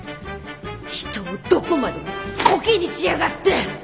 人をどこまでもコケにしやがって。